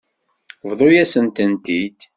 Bḍu-yasen-tent-id.